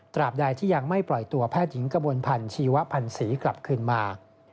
บใดที่ยังไม่ปล่อยตัวแพทย์หญิงกระบวนพันธ์ชีวพันธ์ศรีกลับคืนมา